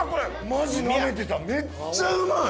マジナメてためっちゃうまい！